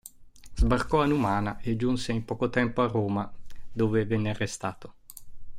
Sbarcò a Numana e giunse in poco tempo a Roma, dove venne arrestato.